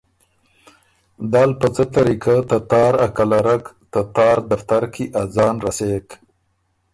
دل په څه طریقۀ ته تار ا کلرک ته تار دفتر کی ا ځان رسېک